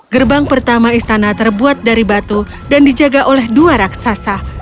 gerbang pertama istana terbuat dari batu dan dijaga oleh dua raksasa